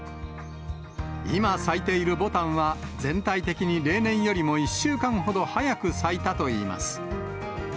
今、咲いているぼたんは、全体的に例年よりも１週間ほど早く咲いたといいます。